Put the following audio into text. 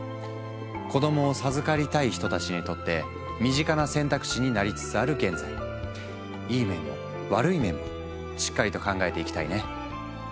子どもを授かりたい人たちにとって身近な選択肢になりつつある現在いい面も悪い面もしっかりと考えていきたいね。